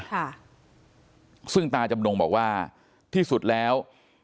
ค่ะซึ่งตาจำนงบอกว่าที่สุดแล้ว